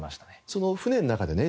その船の中でね